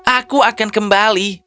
aku akan kembali